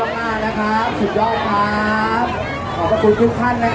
ขอบคุณมากนะคะแล้วก็แถวนี้ยังมีชาติของ